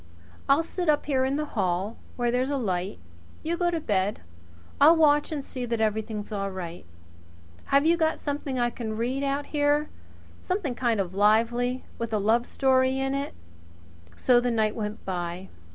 I'll sit up here in the hall, where there's a light. You get to bed. I'll watch and see that everything's all right. Have you got something I can read out here something kind of lively with a love story in it?" So the night went by.